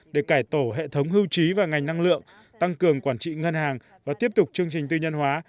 để cải tổ hệ thống hưu trí và ngành năng lượng tăng cường quản trị ngân hàng và tiếp tục chương trình tư nhân hóa